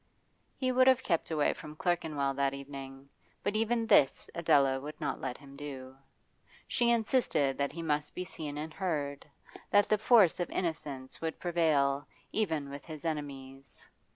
He would have kept away from Clerkenwell that evening, but even this Adela would not let him do. She insisted that he must be seen and heard, that the force of innocence would prevail even with his enemies.